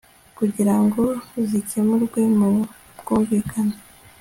kugira ngo zikemurwe mu bwumvikane